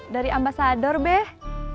dari ambasador beh